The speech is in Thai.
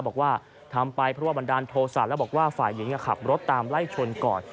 บอกว่าทำไปเพราะว่าบันดาลโทษะแล้วบอกว่าฝ่ายหญิงขับรถตามไล่ชนก่อน